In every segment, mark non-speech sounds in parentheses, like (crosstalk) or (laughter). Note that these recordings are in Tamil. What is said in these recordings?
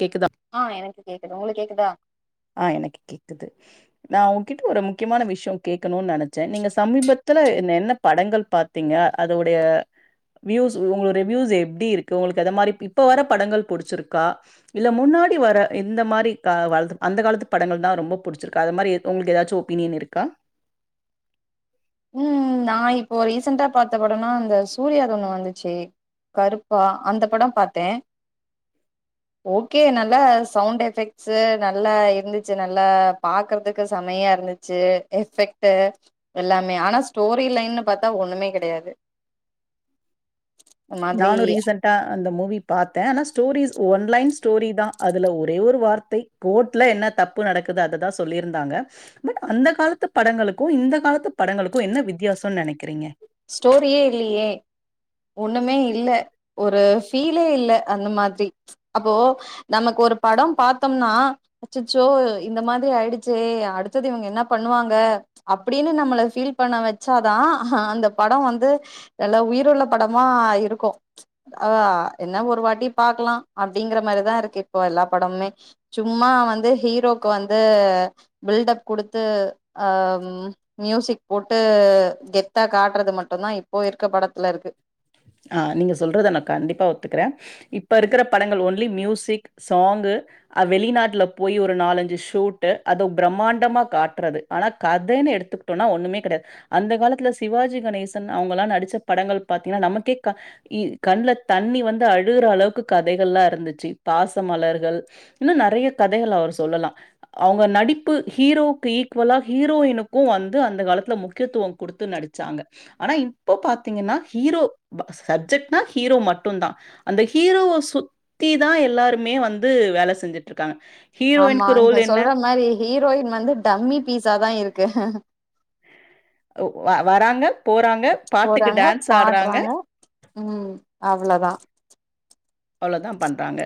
கேக்குதா ஆ எனக்கு கேக்குது உங்களுக்கு கேக்குதா ஆ எனக்கு கேக்குது நா உங்கிட்ட ஒரு முக்கியமான விஷய கேக்கணுன்னு நெனைச்ச நீங்க சமீபத்துல என்ன என்ன படங்கள் பாத் திங்க அதோடைய வியூஸ் உங்க ரிவியூஸ் எப்டி இருக்கு உங்களுக்கு அத மாரி இப்ப வர படங்கள் புடுச்சிருக்கா இல்ல முன்னாடி வர இந்த மாரி க வளது அந்தக் காலத்து படங்கள் தா ரொம்போ புடிச்சிருக்கா அத மாரி உங்களுக்கு ஏதாச்சு ஒப்பீனியன் இருக்கா ம் நா இப்போ ரீசெண்டா பாத்த படம்னா இந்த சூர்யாது ஒண்ணு வந்துச்சு கருப்பு அந்த படம் பாத்தே ஓகே நல்லா சவுண்ட் எஃபெக்ட்ஸு நல்லா இருந்துச்சு நல்லா பாக்குறதுக்கு செமையா இருந்துச் ச்சு எஃபெக்ட்டு எல்லாம் மே ஆனா ஸ்டோரி லைன்னு பாத்தா ஒண்ணுமே கெடையாது ஒரு மாதிரி நானு ரீசென்ட் டா அந்த மூவி பாத்த ஆனா ஸ்டோரிஸ் ஒன் லைன் ஸ்டோரி தா அதுல ஒரே ஒரு வார்த்தை கோர்ட்ல என்ன தப்பு நடக்குது அததா சொல்லியிருந்தாங்க பட் அந்தக் காலத்துப் படங்களுக்கு இந்தக் காலத்துப் படங்களுக்கு என்ன வித்தியாசம்னு நெனைக்கிறீங்க ஸ்டோரியே இல்லியே ஒன்னுமே இல்ல ஒரு ஃபீலே இல்ல அந்த மாதிரி அப்போ நமக்கு ஒரு படம் பாத்தம்னா அச்சச்சோ இந்த மாதிரி ஆயிடிச்சே அடுத்தது இவுங்க இன்னா பண்ணுவாங்க அப்பிடின்னு நம்மள ஃபீல் பண்ண வச்சாதா அந்த படோ வந்து நல்லா உயிருள்ள படமா இருக்கு ஆ என்ன ஒரு வாட்டி பாக்கலா அப்டிங்கிற மாரிதா இருக்கு இப்ப எல்லா படமுமே வந்து சும்மா வந்து ஹீரோக்கு வந்து பில்டப் குடுத்து ஆ ம் மியூசிக் போட்டு கெத்தா காட்டுறது மட்டுந்தா இப்போ இருக்க படத்துல இருக்கு ஆ நீங்க சொல்றத நா கண்டிப்பா ஒத்துக்குறே இப்ப இருக்குற படங்கள் ஒன்லி மியூசிக் சாங்கு ஆ வெளிநாட்ல போய் ஒரு நாலஞ்சு ஷூட்டு அது பிரமாண்டமா காட்டுறது ஆனா கதன்னு எடுத்து டோ ஒண்ணுமே கெடையாது அந்தக காலத்துல சிவாஜி கணேசன் அவுங்கள்லா நடிச்ச படங்கள் பாத்தீங்கன்னா நமக்கே க இ கண்ல தண்ணி வந்து அழுகுற அளவுக்கு கதைகள்லா இருந்துச்சு பாசமலர்கள் இன்னு நெறைய கதைகள் அவர் சொல்லலா அவுங்க நடிப்பு ஹீரோவுக்கு ஈக்குவலா ஹீரோயினுக்கு வந்து அந்த காலத்துல முக்கியத்துவோ குடுத்து நடிச்சாங்க ஆனா இப்போ பாத்தீங்கன்னா ஹீரோ பா சப்ஜெக்ட்னா ஹீரோ மட்டுதா அந்த ஹீரோ சு தீதா எல்லாருமே வந்து வேல செஞ்சிட்டு இருக்காங்க ஆமா இங்க சொல்ற மாரி ஹீரோயின் வந்து டம்மி பீஸாதா இருக்கு ஓ வ வராங்க போறாங்க பாட்டுக்கு போறாங்க டான்ஸ் ஆடறாங்க பாடுறாங்க ம் அவ்ளதா அவ்ளதா பண்றங்க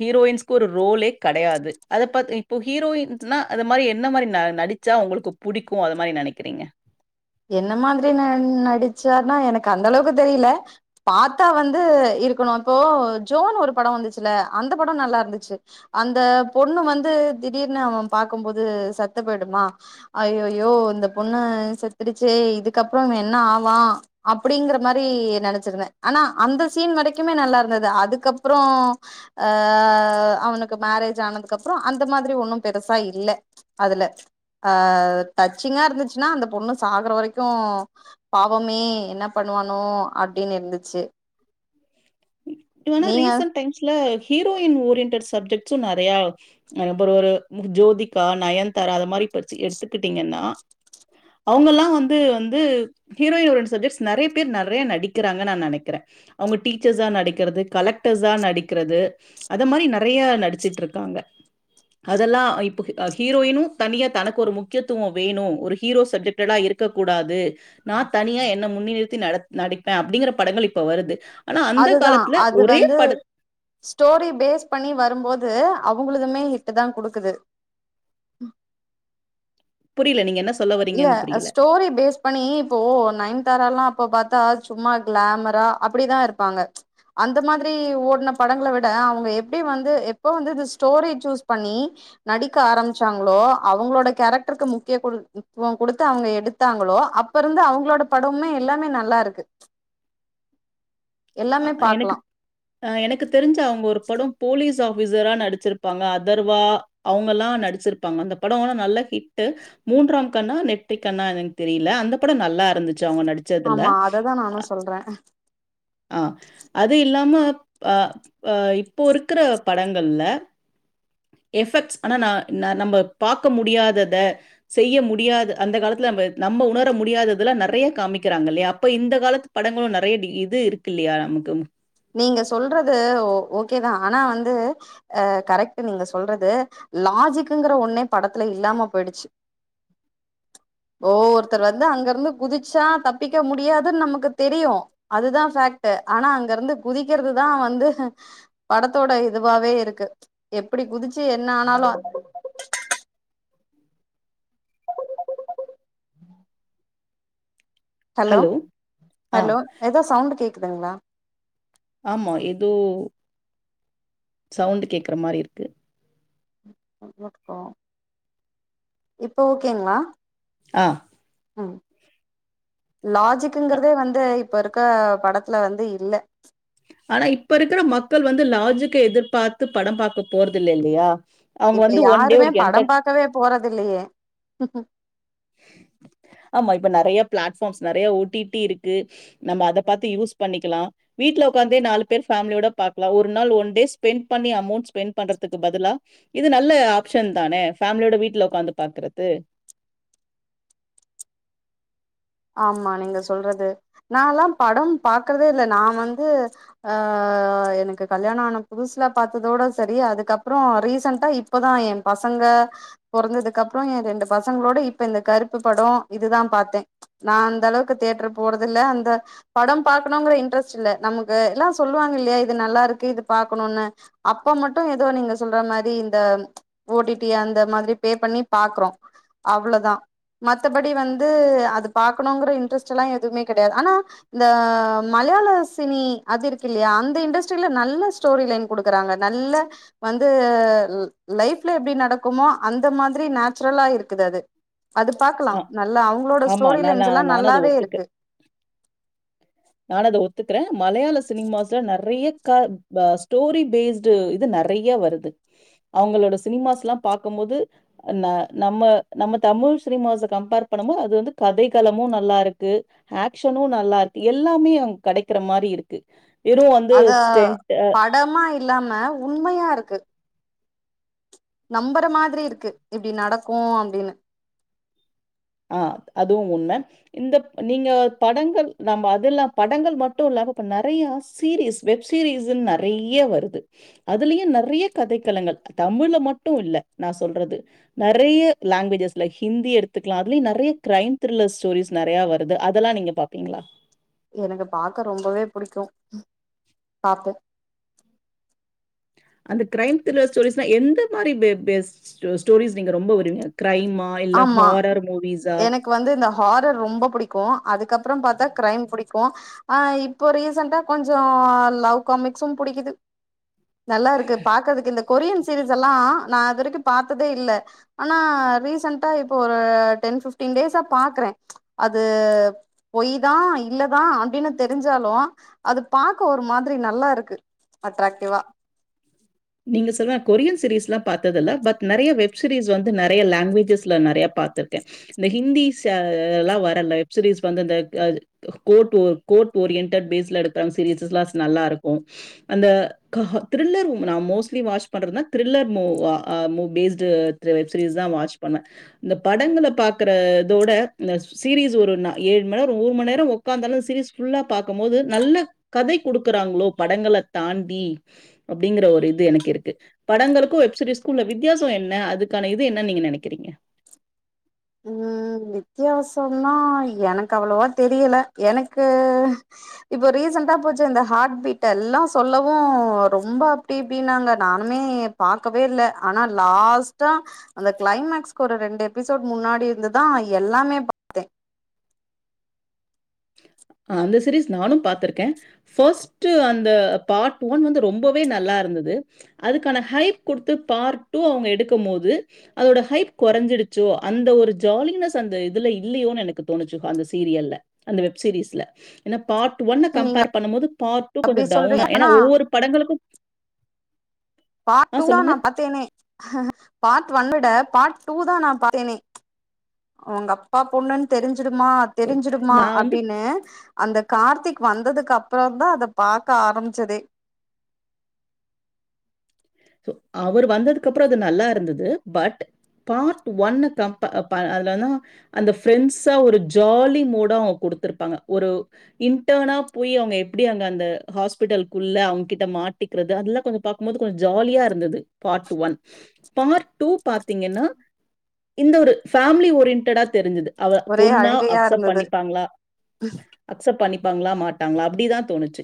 ஹீரோயின்ஸ்கு ஒரு ரோலே கடையது அத பாத் இப்போ ஹீரோயின்ட்னா அது மாரி என்ன மாரி ந நடிச் ச்சா உங்களுக்கு புடிக்கு அது மாரி நெனைக்கிறீங்க என்ன மாதிரி ந நடிச்சார்னா எனக்கு அந்தளவுக்கு தெரியில பாத்தா வந்து இருக்கணு இப்போ ஜோன் ஒரு படோ வந்துச்சில அந்த படோ நல்லா இருந்துச்சி அந்த பொண்ணு வந்து திடீர்னு அவ பாக்குபோது சத்து போயிடுமா அய் அய்யோ இந்த பொண்ணு செத்துடுச்சே இதுக்கப்புறோ இவ என்ன ஆவா அப்பிடிங்கிற மாரி நெனைச்சிருந்தே ஆனா அந்த சீன் வரைக்குமே நல்லா இருந்தது அதுக்கப்புறோ அ அவனுக்கு மேரேஜ் ஆனதுக்கு அப்புறோ அந்த மாதிரி ஒன்னு பெருசா இல்ல அதல அ டச்சிங்கா இருந்துச்சின்னா அந்த பொண்ணு சாகற வரைக்கு பாவமே என்ன பண்ணுவானோ அப்டின் இருந்திச்சி இவனா ரீசன்ட் டைம்ஸ்ல ஹீரோயின் ஓரியன்டட் சப்ஜெக்ட்ஸு நெறையா அகப்புறோ ஒரு ஜோதிக்கா நயன்தாரா அத மாரி பச்சி எடுத்துக்கிட்டீங்கன்னா அவங்கெல்லா வந்து வந்து ஹீரோயின் ஓரியன் சப்ஜெ்ட்ஸ் நெறைய பேர் நெறையா நடிக்கிறாங்க நா நெனைக்கிறே அவுங்க டீச்சர்ஸா நடிக்கிறது கலெக்டர்ஸா நடிக்கிறது அத மாரி நெறைய நடிச்சிட்டு இருக்காங்க அதெல்லா இப்பக் ஆ ஹீரோயினு தனியா தனக்கு ஒரு முக்கியத்துவோ வேணு ஒரு ஹீரோ சப்ஜெக் ட்டலா இருக்கக்கூடாது நா தனியா என்ன முன்னிறுத்தி நட்ப் நடிப்பே அப்டிங்கிற படங்கள் இப்ப வருது ஆனா அந்த அதுதா காலத்துல அது ஒரே வந்து படத் ஸ்டோரி பேஸ் பண்ணி வரும்போது அவுங்குதுமே ஹிட்ட தா குடுக்குது புரியில நீங்க என் இல்ல ஸ்டோரி பேஸ் பனி இப்போ நைன்தாரல்லா அப்ப பாத்தா சும்மா கிளாமரா அப்பிடிதா இருப்பாங்க அந்த மாதிரி ஓடுன படங்க விட அவங்க எப்டி வந்து எப்போ வந்து இது ஸ்டோரி சூஸ் பண்ணி நடிக்க ஆரம்பிச்சாங்களோ அவங்களோட கேரக்டருக்கு முக்கிய குழு இப்போங் குடுத்து அவங்க எடுத்தாங்களோ அப்ப இருந்து அவங்களோட படமுமே எல்லாமே நல்லா இருக்கு அ எல்லாமே ஆ பாக்கலா எனக்கு ஆ எனக்கு தெரிஞ்ச அவங்க ஒரு பட போலீஸ் ஆபீசரா நடிச்சிருப்பாங்க அதர்வா அவங்க எல்லா நடிச்சிருப்பாங்க அந்த படோ எல்லா நல்லா ஹிட்டு் மூன்றாம் கண்ணா நெற்றி கண்ணா எனக்கு தெரியல அந்த படம் நல்லா இருந்துச்சு அவங்க நடிச ஆமா அததா நானு சொல்றே ஆ அது இல்லாம பா பா இப்போ இருக்குற படங்கள்ல எஃபெக்ட்ஸ் ஆனா நா நம்ம பாக்க முடியாதத செய்ய முடியாது அந்த காலத்துல நம்ப நம்ப உணர முடியாததெல்லா நெறைய காமிக்கிறாங்க இல்லயா அப்ப இந்த காலத் படங்களு நெறைய டி இது இருக்கு இல்லையா நமக்கு நீங்க சொல்றது ஒ ஓகேதா ஆனா வந்து அ கரெக்ட் நீங்க சொல்றது லாஜிக்குங்கற ஒன்னே படத்துல இல்லாம போயிடிச்சி ஒவ்வொருத்தர் வந்து அங்க இருந்து குதிச்சா தப்பிக்க முடியாதுன் நமக்கு தெரியு அதுதா ஃபாக்ட்டு ஆனா அங்க இருந்து குதிக்கிறதுதா வந்து படத்தோட இதுவாவே இருக்கு எப்டி குதிச்சு என்ன ஆனாலு ஹலோ ஆ ஹலோ ஏதோ சவுண்டு கேக்குதுங்களா ஆமா ஏதோ சவுண்ட் கேக்கற மாரி இருக்கு ட்டுக்கோ இப்ப ஓகேங்களா ஆ ஆ லாஜிக்குங்கிறதே வந்து இப்ப இருக்க படத்துல வந்து இல்ல ஆனா இப்ப இருக்குற மக்கள் வந்து லாஜிக்கை எதிர்பார்த்து படம் பாக்க போறது இல்ல இல்லையா அவங்க வந்து ஒன் டே ஒரு என்டர் பக்கவே போறதில்லையே ஆமா இப்ப நெறைய பிளாட்பார்ம்ஸ் நெறைய ஓ டி டி இருக்கு நம்ம அத பாத்து யூஸ் பண்ணிக்கலா வீட்ல உக்காந்தே நாலு பேர் பேமலியோட பாக்கலா ஒரு நாள் ஒன் டே ஸ்பெண்ட் பண்ணி அமௌண்ட் ஸ்பென்ட் பண்றதுக்கு பதிலா இது நல்ல ஆப்ஷன் தானே ஃபேமிலியோட வீட்ல உக்காந்து பாக்குறது ஆமா நீங்க சொல்றது நாளா பட பாக்குறதே இல்ல நா வந்து ஆ எனக்கு கல்யாணம் ஆன புதுசுல பாத்ததோட சரி அதுக்கப்பறோ ரீசண்ட்டா இப்பதா எ பசங்க பொறந்ததுக்கு அப்பறோ எ ரெண்டு பசங்களோட இப்ப இந்த கருப்பு படோ இதுதா பாத்தே நா அந்தளவுக்கு தேட்டர் போறதில்ல அந்த படம் பாக்கணுங்கிற இன்ட்ரெஸ்ட் இல்ல நமக்கு எல்லா சொல்லுவாங்க இல்லையா இது நல்லா இருக்கு இது பாக்கணுனு அப்ப மட்டு ஏதோ நீங்க சொல்ற மாரி இந்த ஓ டி டி அந்த மாரி பே பண்ணி பாக்குறோ அவ்ளோதா மத்தபடி வந்து அது பாக்கணுங்கற இட்ரஸ்ட்ல்லா எதுமே கெடையாது ஆனா இந்த மலையாள சினி அது இருக்கு இல்லையா அந்த இண்டஸ்ட்ரில நல்ல ஸ்டோரி லைன் குடுக்குறாங்க நல்ல வந்து லைஃப்ல எப்டி நடக்குமோ அந்த மாதிரி நேச்சுரலா இருக்குது அது அது பாக்கலா ஆ நல்லா அவங்களோட ஆமா. ஸ்டோரியில நாலா இருஞ்ல்லா நானும் அத நல்லாவே ஒத்துக்க இருக்கு நான அத ஒத்துக்கறே மலையாள சினிமாஸ்ல நெறைய கா பா ஸ்டோரி பேஸ்டு இது நெறைய வருது அவங்களோட சினிமாஸ்ல்லா பாக்கும் போது நா நம்ம நம்ம தமிழ் சினிமாச கம்பேர் பண்ணமோ அது வந்து கதைகளமு நல்லா இருக்கு ஆக்ஷனும் நல்லா இருக்கு எல்லாமே அங்க கிடைக்கிற மாறி இருக்கு வெறும் வந்து அத ஸ்டெண்ட் படமா இல்லாம உண்மையா இருக்கு நம்பற மாதிரி இருக்கு இப்படி நடக்கும் அப்டின்னு அ அதுவும் உண்மை இந்தப் நீங்க படங்கள் நம்ம அதுல்லா படங்கள் மட்டு இல்லாம இப்ப நறைய சீரீயஸ் வெப்சீரீயஸ்ன்னு நறைய வருது அதுலயு நறைய கதைக்களங்கள் தமிழ்ல மட்டு இல்ல நா சொல்றது நறைய லாங்குவேஜஸ்ல ஹிந்தி எடுத்துக் க்கலா அதுலயு நறைய க்ரைம் த்ரில்லர் ஸ்டோரிஸ் நெறையா வருது அதெல்லா நீங்க பாப்பீங்ளா எனக்கு பாக்க ரொம்பவே புடிக்கும் பாப்போ அந்த க்ரைம் த்ரில்லர் ஸ்டோரிஸ்ல்லா எந்த மாறி பே பேஸ்ட் ஸ்டோ ஸ்டோரிஸ் நீங்க ரொம்ப வருவீங்க க்ரைம்மா ஆமா எனக் க்கு வந்து இந்த ஹாரர் ரொம்ப புடிக்கு அதுக்கப்பற பாத்தா க்ரைம் பிடிக்கு ஆ இப்போ ரீசண்டா கொஞ்ச லவ் காமிக்ஸு புடிக்குது நல்லா இருக்கு பாக்குறதுக்கு இந்த கொரியன் சீரீஸ் எல்லா நா அது வரைக்கு பாத்ததே இல் ஆனா ரீசன்ட் ட்டா இப்போ ஒரு டென் பிப்டன் டேஸா பாக்குறே அது பொய் தா இல்லதா அப்டின்னு தெரிஞ்சாலு அது பாக்க ஒரு மாதிரி நல்லா இருக்கு அட்ராக்ட்டிவா நீங்க சொல்ற கொரியன் சீரீயஸ் எல்லா பாத்ததில்ல பட் நெறைய வெப் சீரீயஸ் வந்து நெறைய லாங்வேஜஸ்ல நெறைய பாத்திருக்கே இந்த ஹிந்திஸ் எல்லா அ வருல்ல வெப்சீரீயஸ் வந்து அந்த அது கோட்ர்டோ கோர்ட் ஓரியன்டட் பேஸ்ல எடுத்த சீரீயஸ்சஸ் எல்லா நல்லா இருக்கும் அந்த க த்ரில்லர் நா மோஸ்லி வாட்ச் பண்றதுன்னா த்ரில்லர் மூ அ அ பேஸ்ட்டு வெப் சீரீயஸ்தா வாட்ச் பண்ணுவே இந்த படங்கள்ல பாக்கற தோட இந்த சீரீயஸ் ஒரு ஏழு மண் நேரம் மூனு மண் நேரம் இப்ப அந்தளவு சீரீயஸ் ஃபுல்லா பாக்கம் போது நல்ல கதை குடுக்கறாங்களோ படங்கள தாண்டி அப்டிங்கற ஒரு இது எனக்கு இருக்கு படங்களுக்கும் வெப்சீரீயஸ்க்கும் உள்ள வித்தியாசம் என்ன அதுக்கான இது என்னன்னு நீங்க நெனைக்கிறீங்க உம் வித்தியாசம்ன்னா எனக்கு அவ்வளவா தெரியல எனக்கு இப்ப ரீசன்டடா போச்சே இந்த ஹார்ட் பீட் எல்லா சொல்லவு ரொம்ப இப்டி இப்டின்னாங்க நானுமே பாக்கவே இல்ல ஆனா லாஸ்ட்டா அந்த கிளைமேக்ஸ்க்கு ஒரு ரெண்டு எபிசோட் முன்னாடி இருந்துதா எல்லாமே அந்த சீரீஸ் நானும் பாத்திருக்கே ஃபர்ஸ்ட் அந்த பார்ட் ஒன் வந்து ரொம்பவே நல்லா இருந்தது அதுக்கான ஹைப் குடுத்து பார்ட் டூ அவங்க எடுக்கும் போது அதோட ஹைப் குறைஞ்சிடுச்சோ அந்த ஒரு ஜாலினஸ் அந்த இதுல இல்லையோன்னு எனக்கு தோணுச்சு அந்த சீரியல்ல அந்த வெப் சீரீஸ்ல ஏன்னா பார்ட் ஒன்ன பாத்து. நீங்க கம்பேர் பண்ணும் போது பார்ட் டூ அப்டி கொஞ்சோ டவுனா சொல்றீங்க ஏன்னா ஆனா ஒவ்வொரு படங்களுக்கும் பார்ட் ஆ டூ வா சொல்லுங்க. நா பாத்தேனே பார்ட் ஒன் விட பார்ட் டூ தா நா பாத்தேனே உங்க அப்பா பொண்ணுன்னு தெரிஞ்சுடுமா ஓ! தெரிஞ்சுடுமா நான் வந்து அப்டின்னு அந்த கார்த்திக் வந்ததுக்கு அப்புறோந்தா அத பாக்க ஆரம்பிச்சதே அவர் வந்ததுக்கப்பறோ அது நல்லா இருந்தது பட் பார்ட் ஒன்ன கம்பே ப அதுலன்னா அந்த ஃப்ரெண்ட்ஸ ஒரு ஜாலி மூடா அவுங்க குடுத்துருப்பாங்க ஒரு இன்டர்னா போயி அவங்க எப்படி அங்க அந்த ஹாஸ்பிட்டல்க்குள்ள அவங்ககிட்ட மாட்டிக்கிறது அதெல்லா கொஞ்சோ பாக்கும்போது கொஞ் ஜாலியா இருந்தது பார்ட் ஒன் பார்ட் டூ பாத்தீங்கன்னா இந்த ஒரு ஃபேமிலி ஓரியன்ட்டா தெரிஞ்சது அவ ஒரே பொண்ணா அழுகையா அக்செப்ட் இருந்தது பண்ணிப்பாங்ளா அக்செப்ட் பண்ணிப்பாங்களா மாட்டாங்களா அப்டி தான் தோணுச்சு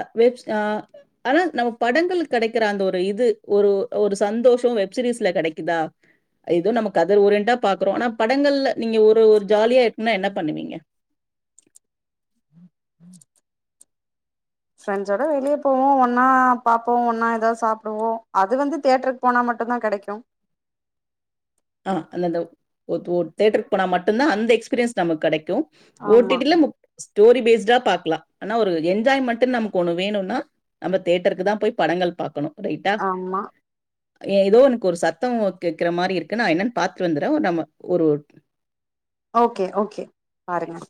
அ வெப் ஸ் ஆ ஆனா நம்ம படங்களு கிடைக்கிற அந்த ஒரு இது ஒரு ஒரு சந்தோஷம் வெப்சீரீஸ்ல கிடைக்குதா இதுவும் நமக்கு கத ஒருன்ட்டா பாக்குறோம் ஆனா படங்கள்ல நீங்க ஒரு ஒரு ஜாலியா இருக்குன்னா என்ன பண்ணுவீங்க (inaudible) ஃபிரண்ட்ஸோட வெளியே போவோம் ஒன்னா பாப்போம் ஒன்னா ஏதாவது சாப்படுவோம் அது வந்து தேட்டருக்கு போனா மட்டும்தான் கிடைக்கும் ஆஹ அந்த இந்த தோ தேட்டருக்கு போனா மட்டும் தான் அந்த எக்ஸ்பீரியன்ஸ் நமக்கு கிடைக்கும் ஓ டி ஆமா டி ல ம் ஸ்டோரி பேஸ்டா பாக்கலாம் ஆனா ஒரு என்ஜாய்மெண்டு நமக்கு ஒண்ணு வேணும்னா நம்ம தேட்டருக்கு தான் போய் படங்கள் பாக்கணும் ரைட்டா ஆமா ஏதோ எனக்கு ஒரு சத்தம் கேக்குற மாரி இருக் கு நான் என்னன்னு பாத்துட்டு வந்துறேன் நம்ம ஒரு ஓகே ஓகே பாருங்க